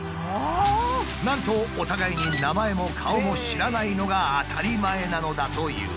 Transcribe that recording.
なんとお互いに名前も顔も知らないのが当たり前なのだという。